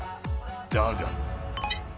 だが。